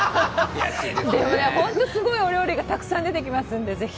でも、本当にすごいお料理がたくさん出てきますんで、ぜひ。